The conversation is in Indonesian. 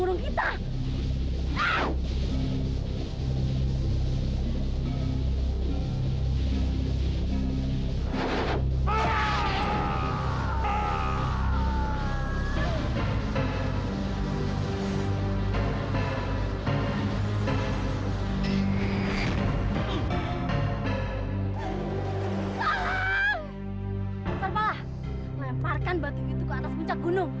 sarbala lemparkan batu itu ke atas puncak gunung